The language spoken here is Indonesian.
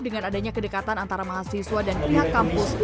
dengan adanya kedekatan antara mahasiswa dan pihak kampus